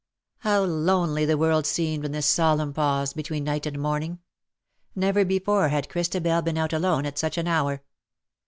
How lonely the world seemed in this solemn pause between night and morning. Never before had Christabel been out alone at such an hour.